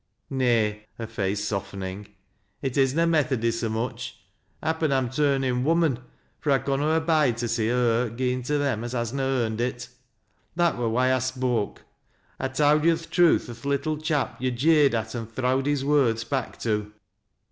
"" ITay," her face softening ;" it is na Methody so much Happen I'm turnin' woman, fur 1 conna abide to see a hurt gi'en to them as has na earned it. That wur why I spoke. I ha' towd yo' th' truth o' th' little chap yo' jeered at an' throw'd his words back to."